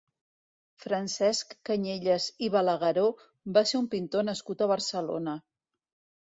Francesc Canyelles i Balagueró va ser un pintor nascut a Barcelona.